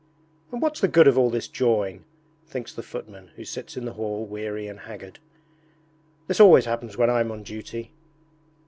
'And what's the good of all this jawing?' thinks the footman who sits in the hall weary and haggard. 'This always happens when I'm on duty.'